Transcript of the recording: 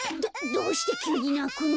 どうしてきゅうになくの？